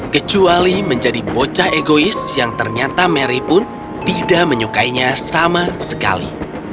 kecuali menjadi bocah egois yang ternyata mary pun tidak menyukainya sama sekali